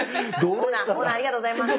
オーナーありがとうございます。